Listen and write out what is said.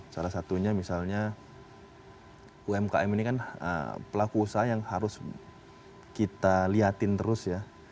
salah satunya misalnya umkm ini kan pelaku usaha yang harus kita liatin terus ya